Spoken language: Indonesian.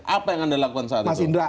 apa yang anda lakukan saat itu